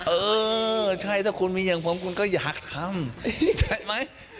เออใช่ถ้าคุณมีอย่างผมคุณก็อยากทำใช่ไหม